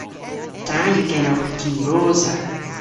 Da yw genowgh diwrosa.